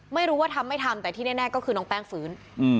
ไม่รู้ว่าทำไม่ทำแต่ที่แน่ก็คือน้องแป้งฟื้น